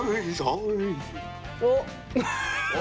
おっ。